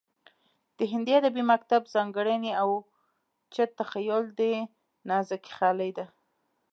د هندي ادبي مکتب ځانګړنې اوچت تخیل او نازکخیالي ده